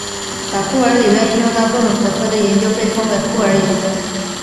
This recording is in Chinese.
把酷儿理论应用到各种学科的研究被称为酷儿研究。